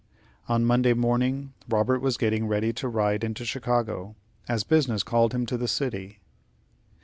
On Monday morning, Robert was getting ready to ride into Chicago, as business called him to the city.